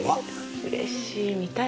うれしい。